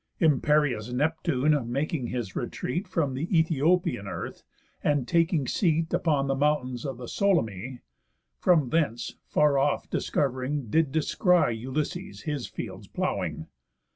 Imperious Neptune, making his retreat From th' Æthiopian earth, and taking seat Upon the mountains of the Solymi, From thence, far off discov'ring, did descry Ulysses his fields ploughing.